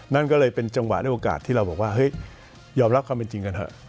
นั่นก็เลยเป็นจังหวะด้วยโอกาสที่เราบอกว่าเฮ้ยยอมรับความเป็นจริงกันเถอะ